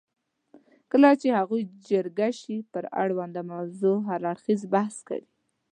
کله چې هغوی جرګه شي پر اړونده موضوع هر اړخیز بحث کوي.